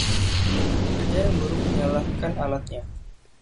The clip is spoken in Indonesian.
Pekerja yang buruk menyalahkan alatnya.